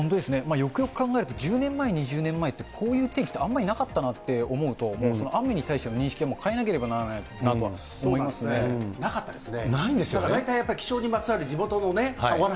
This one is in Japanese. よくよく考えてみると、１０年前、２０年前って、こういう天気ってあまりなかったなって思うと、雨に対しての認識はもう変えなければならないなとなかったですね。